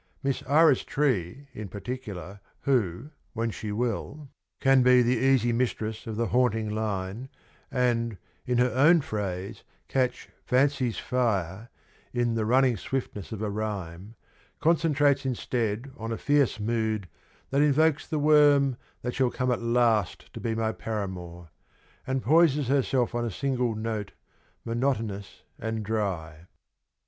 Miss Iris Tree in particular, who, when she will, 107 can be the easy mistress of the haunting line, and, in her own phrase, catch ' fancy's fire ' in ' the running swiftness of a rhyme,' concentrates instead on a fierce mood that invokes the worm that shall come at last to be my paramour,' and poises herself on a single note ' monotonous and dry.'